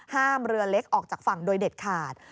ห้ามเรือเล็กออกจากฝั่งโดยเด็ดขาด